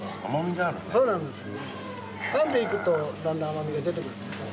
噛んでいくとだんだん甘みが出てくるんですよ。